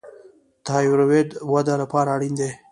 تایرویډ وده لپاره اړین دی.